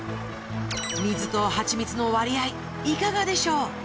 水とハチミツの割合いかがでしょう？